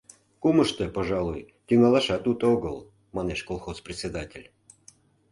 Кумышто, пожалуй, тӱҥалашат уто огыл, — манеш колхоз председатель.